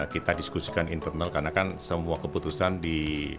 kita diskusikan internal karena kan semua keputusan di